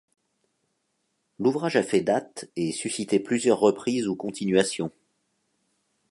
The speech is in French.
L'ouvrage a fait date et suscité plusieurs reprises ou continuations.